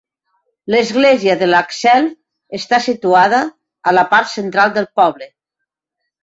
L'església de Lakselv està situada a la part central del poble.